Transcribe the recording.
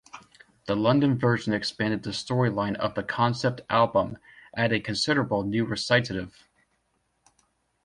The London version expanded the storyline of the concept album, adding considerable new recitative.